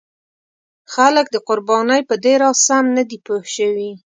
خلک د قربانۍ په دې راز سم نه دي پوه شوي.